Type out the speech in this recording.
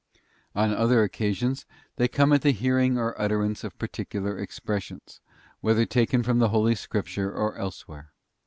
On other occasions, they come at the hearing or utterance of particular expressions, whether taken from the Holy Scripture or elsewhere.